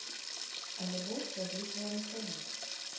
Але больш разлічвае на сябе.